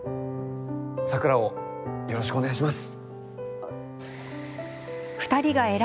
咲良をよろしくお願いします。